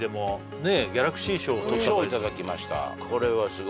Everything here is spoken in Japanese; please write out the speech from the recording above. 賞をいただきました